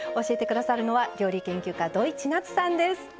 教えて下さるのは料理研究家どいちなつさんです。